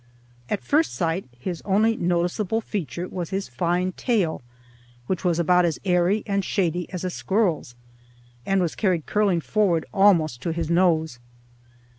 At first sight his only noticeable feature was his fine tail, which was about as airy and shady as a squirrel's, and was carried curling forward almost to his nose.